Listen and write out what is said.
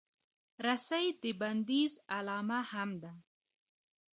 رسۍ د بندیز علامه هم ده.